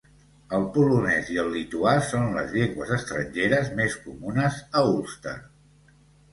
El polonès i el lituà són les llengües estrangeres més comunes a Ulster.